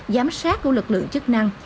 giám sát của lực lượng chức năng